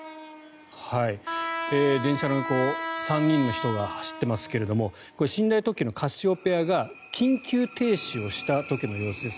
電車の横を３人の人が走っていますがこれは寝台特急のカシオペアが緊急停止をした時の様子です。